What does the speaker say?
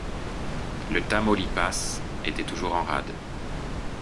Le Tamaulipas était toujours en rade.